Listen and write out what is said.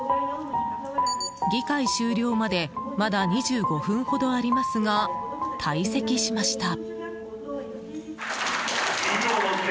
議会終了までまだ２５分ほどありますが退席しました。